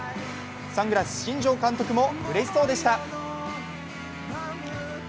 サングラス・新庄監督もうれしそうでした。